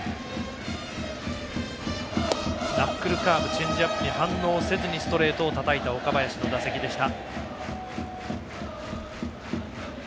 ナックルカーブチェンジアップに反応せずにストレートをたたいた岡林の打席でした。